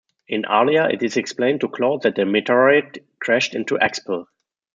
In Arlia, it is explained to Claude that a meteorite crashed into Expel.